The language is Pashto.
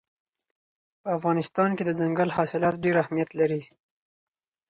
په افغانستان کې دځنګل حاصلات ډېر اهمیت لري.